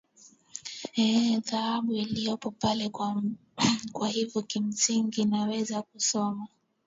eee ee dhahabu iliopo pale kwa hivyo kimsingi naweza kusema